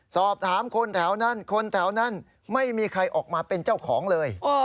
สอบถามคนแถวนั้นคนแถวนั้นไม่มีใครออกมาเป็นเจ้าของเลย